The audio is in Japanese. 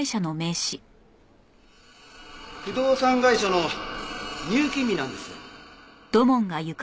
不動産会社の入金日なんです。